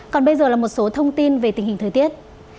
còn bây giờ là một số thông tin về tình hình thời tiết